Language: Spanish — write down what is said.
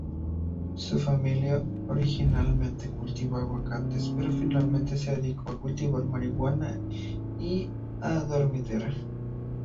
Su familia originalmente cultivaba aguacates, pero finalmente se dedicó a cultivar marihuana y adormidera.